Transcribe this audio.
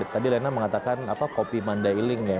tadi lena mengatakan kopi mandailing ya